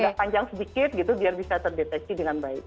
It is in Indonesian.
agak panjang sedikit gitu biar bisa terdeteksi dengan baik